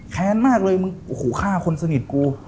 แค้นมากเลยมึงโอ้โหฆ่าคนสนิทกู